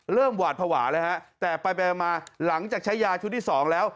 เริ่มหวาดผวาเลยฮะแต่ไปมาหลังจากใช้ยาชุดที่๒แล้ว